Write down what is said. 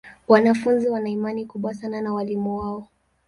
Wanafunzi wana imani kubwa sana na walimu wao.